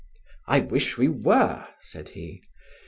"I wish we were," said he.